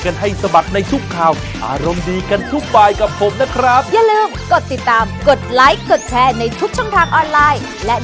ในสบัดทั่วท้าย